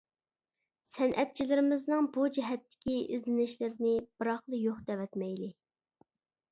سەنئەتچىلىرىمىزنىڭ بۇ جەھەتتىكى ئىزدىنىشلىرىنى بىراقلا يوق دەۋەتمەيلى!